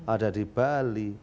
ada di bali